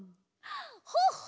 ほっほ！